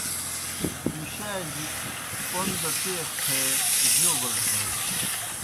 مُشاجیْ پوْن دہ پیخ تھے جوبل تھیگہ۔